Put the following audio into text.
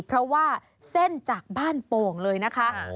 เพราะว่าเส้นจากบ้านโป่งเลยนะคะ